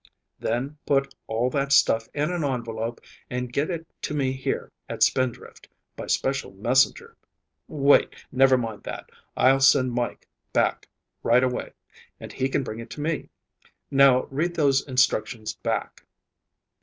Then put all that stuff in an envelope and get it to me here at Spindrift by special messenger ... wait, never mind that. I'll send Mike back right away, and he can bring it to me. Now read those instructions back."